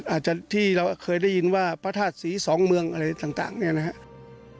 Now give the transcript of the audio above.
อาจจะที่เราเคยได้ยินว่าพระธาตุศรีสองเมืองอะไรต่างเนี่ยนะครับ